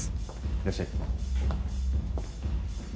いらっしゃい。